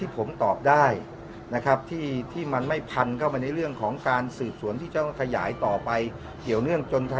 ผมตอบได้นะครับที่มันไม่พันเข้าไปในเรื่องของการสืบสวนที่จะต้องขยายต่อไปเกี่ยวเนื่องจน